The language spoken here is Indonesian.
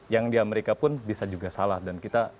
yang di amerika pun bisa juga salah dan kita